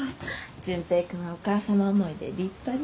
純平君はお母様思いで立派ね。